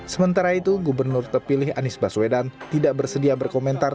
sementara itu gubernur terpilih anies baswedan tidak bersedia berkomentar